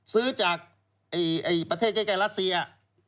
ซื้อจากประเทศคลางครดรัซเซีย